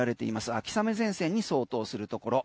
秋雨前線に相当するところ。